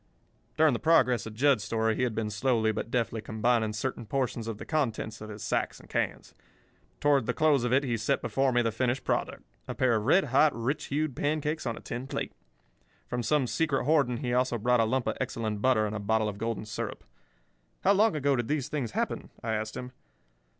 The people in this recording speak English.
'" During the progress of Jud's story he had been slowly but deftly combining certain portions of the contents of his sacks and cans. Toward the close of it he set before me the finished product—a pair of red hot, rich hued pancakes on a tin plate. From some secret hoarding he also brought a lump of excellent butter and a bottle of golden syrup. "How long ago did these things happen?" I asked him.